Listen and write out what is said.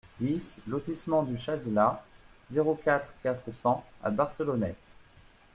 dix lotissement du Chazelas, zéro quatre, quatre cents à Barcelonnette